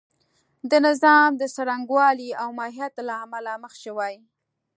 د نظام د څرنګوالي او ماهیت له امله مخ شوې.